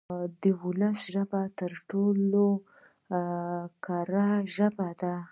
د ولس ژبه تر ټولو کره ژبه ده.